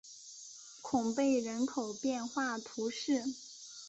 孔贝人口变化图示